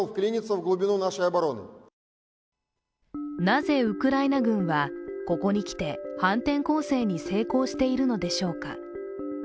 なぜウクライナ軍はここにきて反転攻勢に成功しているのでしょうか。